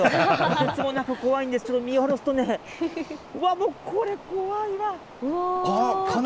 とてつもなく怖いんです、見下ろすとね、うわっ、これ、怖いな。